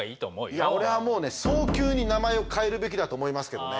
いや俺はもうね早急に名前を変えるべきだと思いますけどね。